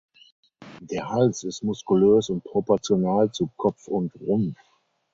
Der Hals ist muskulös und proportional zu Kopf und Rumpf.